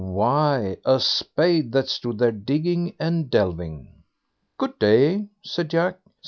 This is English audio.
Why, a spade that stood there digging and delving. "Good day!" said Jack.